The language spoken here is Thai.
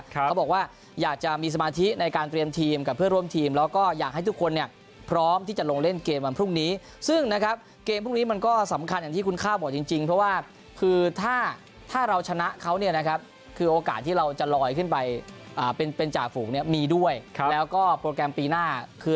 เขาบอกว่าอยากจะมีสมาธิในการเตรียมทีมกับเพื่อร่วมทีมแล้วก็อยากให้ทุกคนเนี่ยพร้อมที่จะลงเล่นเกมวันพรุ่งนี้ซึ่งนะครับเกมพรุ่งนี้มันก็สำคัญอย่างที่คุณข้าวบอกจริงเพราะว่าคือถ้าถ้าเราชนะเขาเนี่ยนะครับคือโอกาสที่เราจะลอยขึ้นไปเป็นจ่าฝูงเนี่ยมีด้วยแล้วก็โปรแกรมปีหน้าคือ